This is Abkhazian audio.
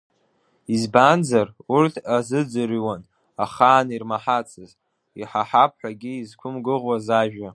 Избанзар, урҭ азыӡырҩуан ахаан ирмаҳацыз, иҳаҳап ҳәагьы изқәымгәыӷуаз ажәа.